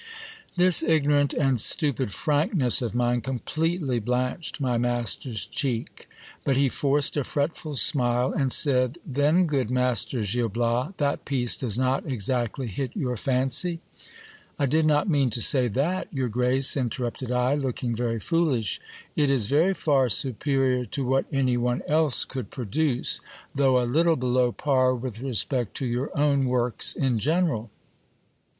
This ignorant and stupid frankness of mine completely blanched my master's cheek ; but he forced a fretful smile, and said — Then, good Master Gil Bias, that piece does not exactly hit your fancy ? I did not mean to say that, your grace, interrupted I, looking very foolish. It is very far superior to what any one else could produce, though a little below par with respect to your own works in general.